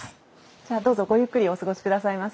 じゃあどうぞごゆっくりお過ごしくださいませ。